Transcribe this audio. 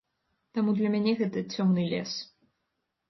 Таму для мяне гэта цёмны лес.